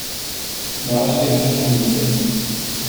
Nós temos comida.